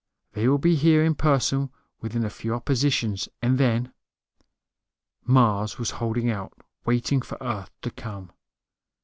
They'll be here in person within a few oppositions. And then " Mars was holding out, waiting for Earth to come.